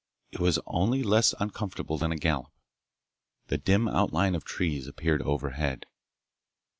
It was only less uncomfortable than a gallop. The dim outline of trees appeared overhead.